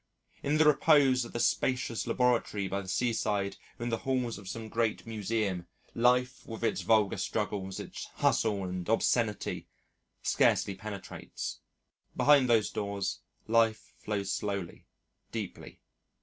In the repose of the spacious laboratory by the seaside or in the halls of some great Museum, life with its vulgar struggles, its hustle and obscenity, scarcely penetrates. Behind those doors, life flows slowly, deeply.